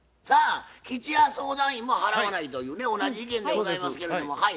さあ吉弥相談員も払わないというね同じ意見でございますけれども。